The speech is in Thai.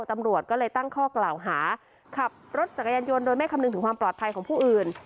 ตำรวจก็เลยตั้งข้อกล่าวหาขับรถจักรยานยนต์โดยไม่คำนึงถึงความปลอดภัยของผู้อื่น